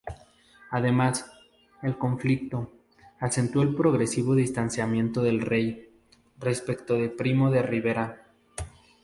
Además, "el conflicto... acentuó el progresivo distanciamiento del rey" respecto de Primo de Rivera.